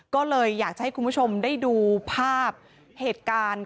ก็เลยอยากจะให้คุณผู้ชมได้ดูภาพเหตุการณ์